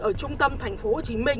ở trung tâm tp hcm